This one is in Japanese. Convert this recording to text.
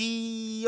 『よ』